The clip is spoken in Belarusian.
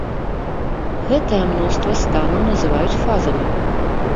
Гэтае мноства станаў называюць фазамі.